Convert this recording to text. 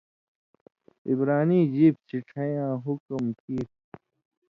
عِبرانی ژیب سِڇھَین٘یاں حُکم کیریۡ